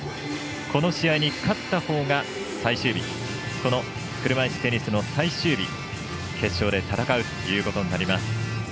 この試合に勝ったほうがこの車いすテニスの最終日、決勝で戦うということになります。